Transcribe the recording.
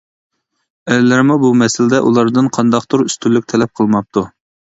ئەرلەرمۇ بۇ مەسىلىدە ئۇلاردىن قانداقتۇر ئۈستۈنلۈك تەلەپ قىلماپتۇ.